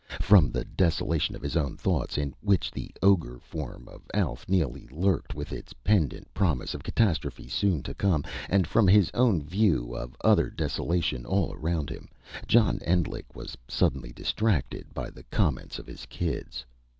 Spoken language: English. From the desolation of his own thoughts, in which the ogre form of Alf Neely lurked with its pendent promise of catastrophe soon to come, and from his own view of other desolation all around him, John Endlich was suddenly distracted by the comments of his kids.